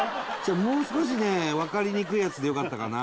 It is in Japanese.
もう少しねわかりにくいやつでよかったかな。